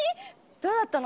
どうだったの？